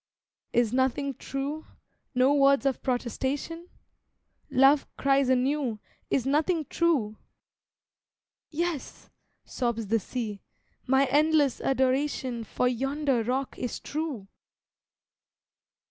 Is nothing True? No words of protestation? Love cries anew "Is nothing True?" "Yes," sobs the sea, "My endless adoration For yonder rock is true!"